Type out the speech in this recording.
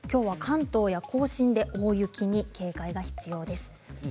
きょうは関東や甲信で大雪に警戒が必要です。